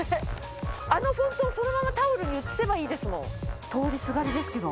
あのフォントをそのままタオルにうつせばいいですもん。